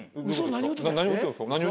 何を言ってたんですか？